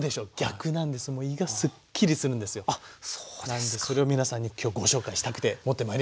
なんでそれを皆さんに今日ご紹介したくて持ってまいりました。